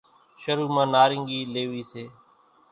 شرو مان نارينگي ليوي سي